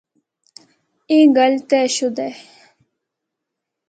اے گل طے شدہ ہے۔